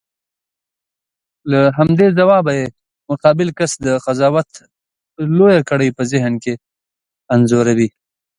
له همدې ځوابه یې مقابل کس د قضاوت لویه لړۍ په ذهن کې انځوروي.